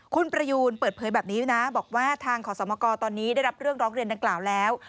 คุณประยูนเปิดเผยแบบนี้นะบอกว่าทางขอสมกรตอนนี้ได้รับเรื่องร้องเรียนดังกล่าวแล้ว